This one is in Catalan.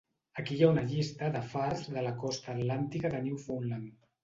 Aquí hi ha una lliste de fars de la costa atlàntica de Newfoundland.